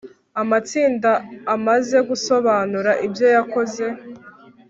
amatsinda amaze gusobanura ibyo yakoze